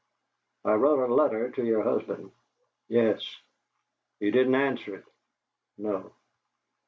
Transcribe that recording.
"I wrote a letter to your husband." "Yes." "He didn't answer it." "No."